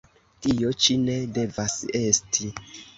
Tio ĉi ne devas esti!